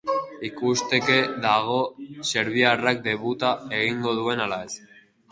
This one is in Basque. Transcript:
Ikusteke dago serbiarrak debuta egingo duen ala ez.